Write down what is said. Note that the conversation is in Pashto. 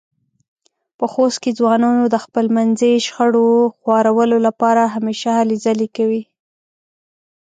په خوست کې ځوانان د خپلمنځې شخړو خوارولو لپاره همېشه هلې ځلې کوي.